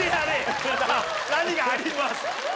何が「あります」だ。